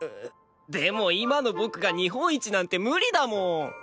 でも今の僕が日本一なんて無理だもん。